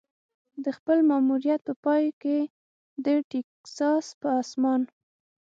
د خپل ماموریت په پای کې د ټیکساس په اسمان.